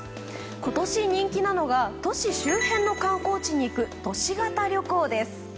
今年、人気なのが都市周辺の観光地に行く都市型旅行です。